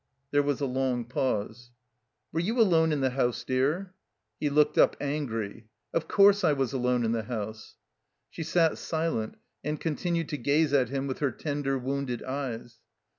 There was a long pause. "Were you alone in the house, dear?" He looked up, angry. "Of coiu se I was alone in the house." She sat silent and continued to gaze at him with her tender, wounded eyes.